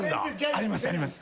ありますあります。